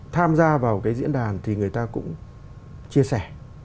tham gia vào cái diễn đàn thì người ta cũng chia sẻ